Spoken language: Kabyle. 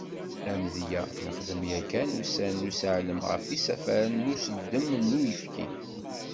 Amedya, nexdem yakan ussan n useɛlem ɣef yisafaren n usuddem n uyefki.